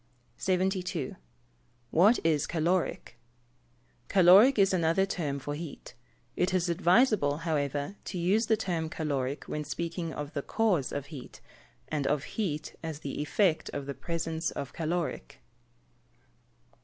72. What is caloric? Caloric is another term for heat. It is advisable, however, to use the term caloric when speaking of the cause of heat, and of heat as the effect of the presence of caloric.